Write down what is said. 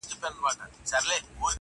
ویل ژر سه مُلا پورته سه کښتۍ ته؛